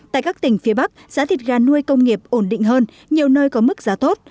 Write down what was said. tại các tỉnh phía bắc giá thịt gà nuôi công nghiệp ổn định hơn nhiều nơi có mức giá tốt